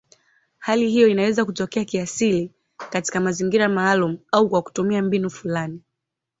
Hali hiyo inaweza kutokea kiasili katika mazingira maalumu au kwa kutumia mbinu fulani.